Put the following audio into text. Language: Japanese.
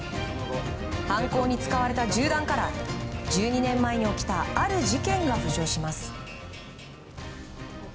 犯行に使われた銃弾から１２年前に起きたある事件が浮上します。